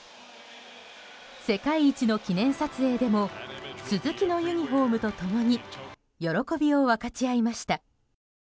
世界一の記念撮影でも鈴木のユニホームと共に喜びを分かち合いました。